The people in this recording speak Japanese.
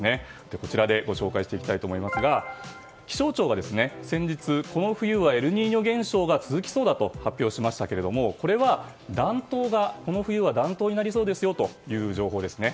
こちらでご紹介していきますが気象庁が先日、この冬はエルニーニョ現象が続きそうだと発表しましたけれどもこれは、この冬は暖冬になりますよという情報です。